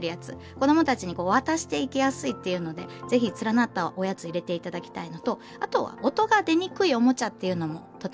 子どもたちに渡していきやすいっていうので是非連なったおやつ入れていただきたいのとあとは音が出にくいおもちゃっていうのもとてもおすすめです！